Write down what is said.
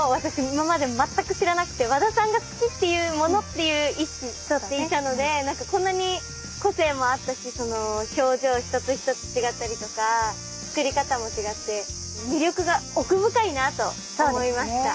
今まで全く知らなくて和田さんが好きっていうものっていう意識でいたので何かこんなに個性もあったしその表情一つ一つ違ったりとか造り方も違って魅力が奥深いなと思いました。